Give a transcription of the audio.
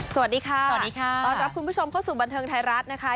สวัสดีค่ะสวัสดีค่ะต้อนรับคุณผู้ชมเข้าสู่บันเทิงไทยรัฐนะคะ